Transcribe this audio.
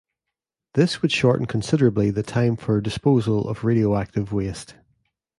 This would shorten considerably the time for disposal of radioactive waste.